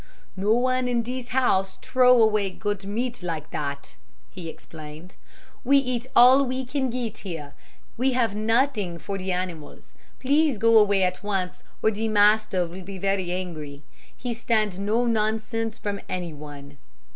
"'No one in dis house trow away gut meat like dat,' he explained, 'we eat all we can git here, we have nutting for de animals. Please go away at once, or de master will be very angry. He stand no nonsense from anyone.'